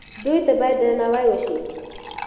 دوی ته باید درناوی وشي.